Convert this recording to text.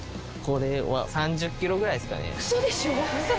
これは３０キロぐらいですかね。